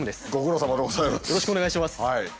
よろしくお願いします。